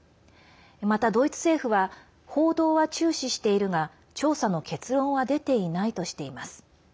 また、ドイツ政府は報道は注視しているが調査の結論は出ていないとしています。